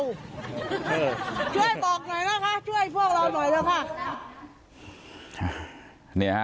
ช่วยบอกหน่อยนะคะช่วยพวกเราหน่อยเถอะค่ะ